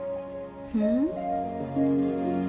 うん？